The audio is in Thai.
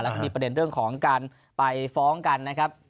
แล้วก็มีประเด็นเรื่องของการไปฟ้องกันนะครับ